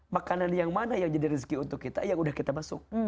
makanan yang mana yang jadi rezeki untuk kita yang udah kita masuk